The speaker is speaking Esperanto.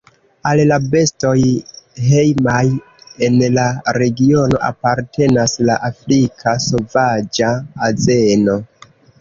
Al la bestoj hejmaj en la regiono apartenas la Afrika sovaĝa azeno.